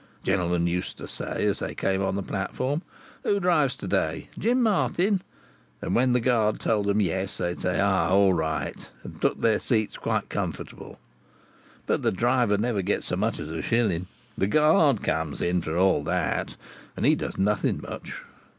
Gentlemen used to say as they came on to the platform, 'Who drives to day—Jim Martin?' And when the guard told them yes, they said 'All right,' and took their seats quite comfortable. But the driver never gets so much as a shilling; the guard comes in for all that, and he does nothing much.